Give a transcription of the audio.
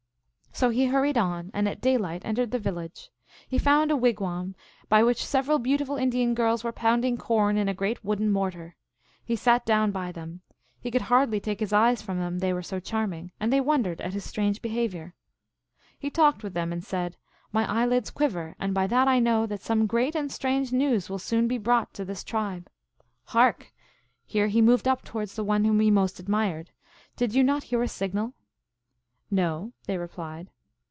So he hurried on, and at daylight entered the vil lage. He found a wigwam, by which several beauti ful Indian girls were pounding corn in a great wooden mortar. He sat down by them. Pie could hardly take his eyes from them, they were so charming, and they wondered at his strange behavior. He talked with them, and said, " My eyelids quiver, and by that I know that some great and strange news will soon be brought to this tribe. Hark !" here he moved up towards the one whom he most admired, " did you not hear a signal ?"" No," they replied.